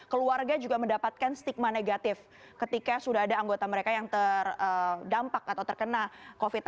keluarga juga mendapatkan stigma negatif ketika sudah ada anggota mereka yang terdampak atau terkena covid sembilan belas